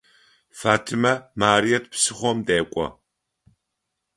Фатимэ Марыет псыхъом дэкӏо.